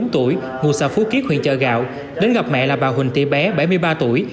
ba mươi bốn tuổi ngủ xa phú kiết huyện chợ gạo đến gặp mẹ là bà huỳnh thị bé bảy mươi ba tuổi